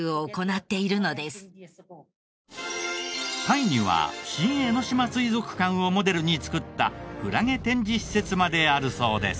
タイには新江ノ島水族館をモデルに作ったクラゲ展示施設まであるそうです。